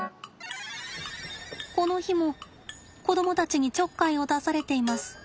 この日も子供たちにちょっかいを出されています。